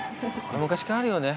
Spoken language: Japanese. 昔からあるよね